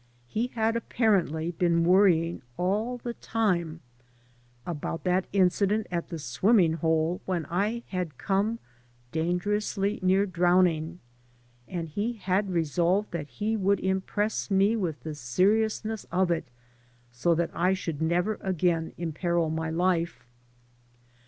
He had ap parently been worrying all the time about that incident at the swimming hole» when I had come dangerously near drowning, and he had resolved that he would im press me with the seriousness of it so that I should never again imperil my life.